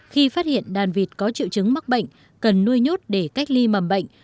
khi phát hiện đàn vịt có triệu chứng mắc bệnh cần nuôi nhốt để cách ly mầm bệnh